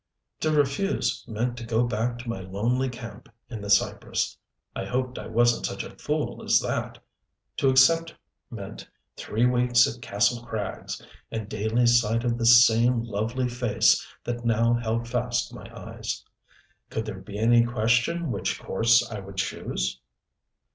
To refuse meant to go back to my lonely camp in the cypress. I hoped I wasn't such a fool as that. To accept meant three weeks at Kastle Krags and daily sight of this same lovely face that now held fast my eyes. Could there be any question which course I would choose?